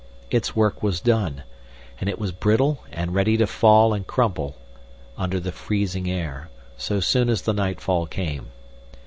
Its work was done, and it was brittle and ready to fall and crumple under the freezing air, so soon as the nightfall came.